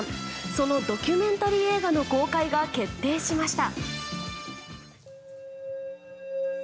そのドキュメンタリー映画の公開が決定しました。